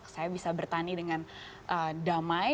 saya bisa bertani dengan damai